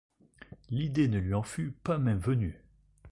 L’idée ne lui en fût pas même venue.